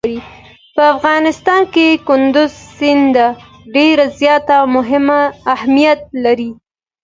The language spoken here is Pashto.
په افغانستان کې کندز سیند ډېر زیات اهمیت لري.